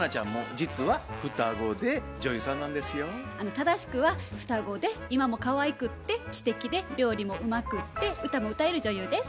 正しくは双子で今もかわいくって知的で料理もうまくって歌も歌える女優です。